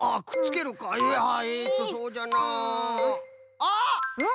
あっ！